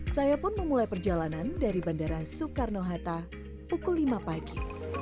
saya pun memulai perjalanan dari bandara soekarno hatta pukul lima pagi